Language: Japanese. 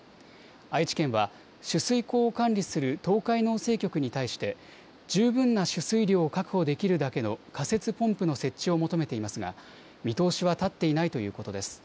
愛知県は取水口を管理する東海農政局に対して十分な取水量を確保できるだけの仮設ポンプの設置を求めていますが見通しは立っていないということです。